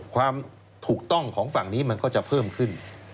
ความถูกต้องของฝั่งนี้มันก็จะเพิ่มขึ้น